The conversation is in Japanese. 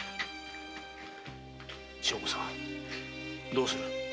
正吾さんどうする？